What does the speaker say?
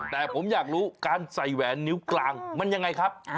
แต่ผมอยากรู้การใส่แหวนนิ้วกลางมันยังไงครับ